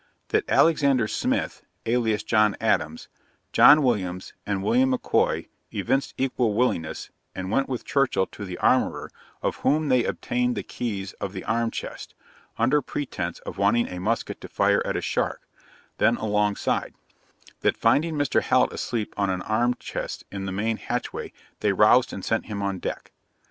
That Alexander Smith (alias John Adams), John Williams, and William M'Koy, evinced equal willingness, and went with Churchill to the armourer, of whom they obtained the keys of the arm chest, under pretence of wanting a musket to fire at a shark, then alongside; that finding Mr. Hallet asleep on an arm chest in the main hatchway, they roused and sent him on deck.